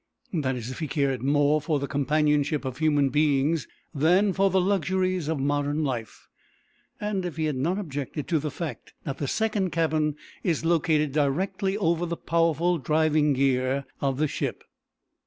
That is if he cared more for the companionship of human beings than for the luxuries of modern life, and if he had not objected to the fact that the second cabin is located directly over the powerful driving gear of the ship.